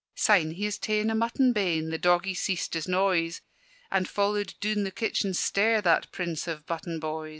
Syne, he has taen a mutton bane The doggie ceased his noise, And followed doon the kitchen stair That prince of button boys!